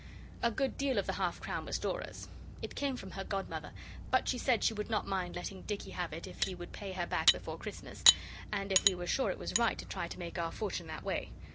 A good deal of the half crown was Dora's. It came from her godmother; but she said she would not mind letting Dicky have it if he would pay her back before Christmas, and if we were sure it was right to try to make our fortune that way.